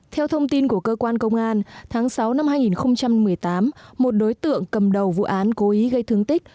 theo thông tin của cơ quan công an tháng sáu năm hai nghìn một mươi tám một đối tượng cầm đầu vụ án cố ý gây thương tích